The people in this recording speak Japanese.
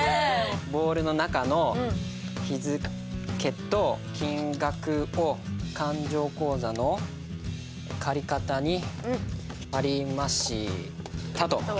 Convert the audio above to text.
ボールの中の日付と金額を勘定口座の借方に貼りましたと。